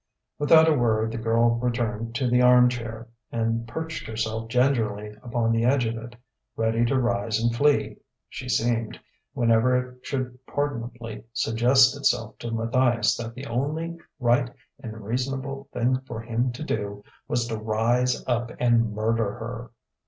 Without a word the girl returned to the arm chair and perched herself gingerly upon the edge of it, ready to rise and flee (she seemed) whenever it should pardonably suggest itself to Matthias that the only right and reasonable thing for him to do was to rise up and murder her....